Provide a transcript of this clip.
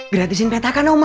gratisin petakan oma